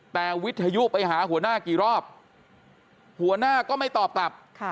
แต่วิทยุไปหาหัวหน้ากี่รอบหัวหน้าก็ไม่ตอบกลับ